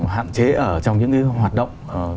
hạn chế ở trong những cái hoạt động